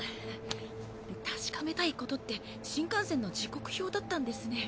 確かめたいことって新幹線の時刻表だったんですね。